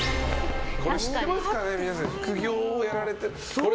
知ってますかね、皆さん副業をやられてて。